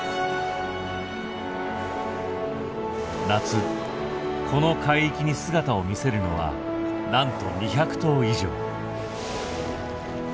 夏この海域に姿を見せるのはなんと２００頭以上。